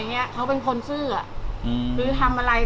แล้วกลับมาก็คือโดนเพื่อนโกงอะไรนี้